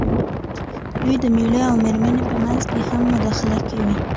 دوی د مېړۀ او مېرمنې په منځ کې هم مداخله کوي.